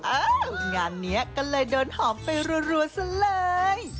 อ้าวงานนี้ก็เลยโดนหอมไปรวดซะเลย